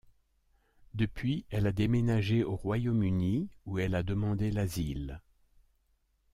Depuis, elle a déménagé au Royaume-Uni, où elle a demandé l'asile.